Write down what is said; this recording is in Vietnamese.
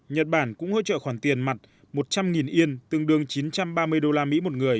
nhật bản cũng hỗ trợ khoản tiền mặt một trăm linh yên tương đương chín trăm ba mươi đô la mỹ một người